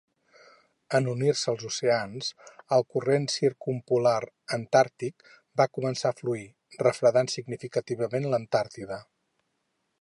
En unir-se els oceans, el corrent circumpolar antàrtic va començar a fluir, refredant significativament l'Antàrtida.